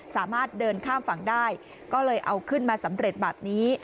สามารถเดินข้ามฝั่งได้ก็เลยเอาขึ้นมาสำเร็จแบบนี้